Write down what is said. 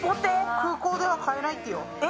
空港では買えないってよ。